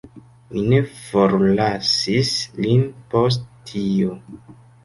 Mi ne forlasis lin post tio.